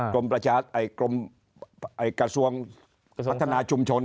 กรมประชาติกระทรวงพัฒนาชุมชน